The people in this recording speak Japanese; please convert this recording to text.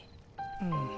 うん。